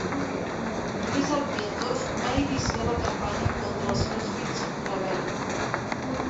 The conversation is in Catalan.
Lluís el Pietós va iniciar la campanya contra els seus fills rebel.